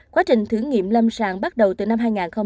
quá trình thử nghiệm lâm sàng bắt đầu từ năm hai nghìn hai mươi